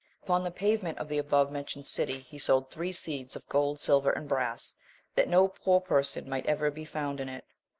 Upon the pavement of the above mentioned city he sowed three seeds of gold, silver and brass, that no poor person might ever be found in it.